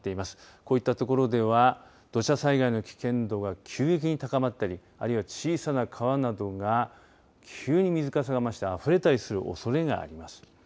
こういったところでは土砂災害の危険度が急激に高まったりあるいは小さな川などが急に水かさが増してあふれたりするおそれがあります。